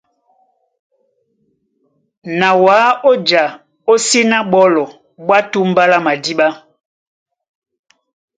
Na wǎ ó ja ó síná á ɓólɔ ɓwá túmbá lá madíɓá.